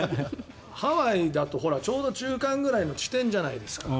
ハワイだとちょうど中間ぐらいの地点じゃないですか。